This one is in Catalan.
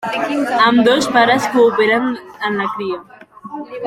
Ambdós pares cooperen en la cria.